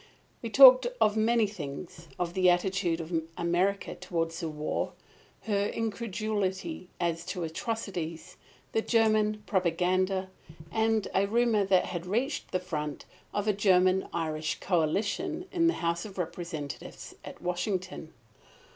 We talked of many things: of the attitude of America toward the war, her incredulity as to atrocities, the German propaganda, and a rumour that had reached the front of a German Irish coalition in the House of Representatives at Washington.